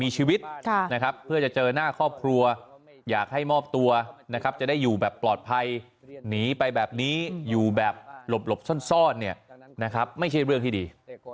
มีชีวิตนะครับเพื่อจะเจอหน้าครอบครัวอยากให้มอบตัวนะครับจะได้อยู่แบบปลอดภัยหนีไปแบบนี้อยู่แบบหลบซ่อนเนี่ยนะครับไม่ใช่เรื่องที่ดี